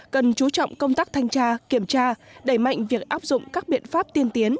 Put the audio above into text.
cần chú trọng công tác thanh tra kiểm tra đẩy mạnh việc áp dụng các biện pháp tiên tiến